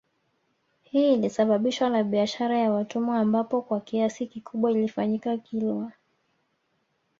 Hii ilisababishwa na bishara ya watumwa ambapo kwa kiasi kikubwa ilifanyika Kilwa